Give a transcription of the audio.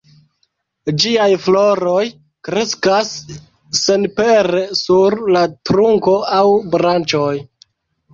Ĝiaj floroj kreskas senpere sur la trunko aŭ branĉoj.